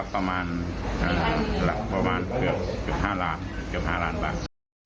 ประมาณเกือบ๕ล้านบาท